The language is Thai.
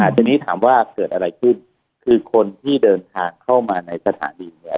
ทีนี้ถามว่าเกิดอะไรขึ้นคือคนที่เดินทางเข้ามาในสถานีเนี่ย